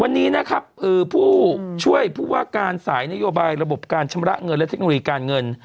วันนี้นะครับผู้ช่วยผู้ว่าการสายนโยบายระบบการชำระเงินและเทคโนโลยีการเงิน